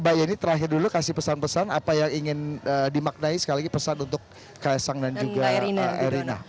mbak yeni terakhir dulu kasih pesan pesan apa yang ingin dimaknai sekali lagi pesan untuk ks sang dan juga pak erina